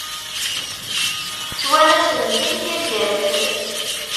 Ttwanasen-kem yal ass.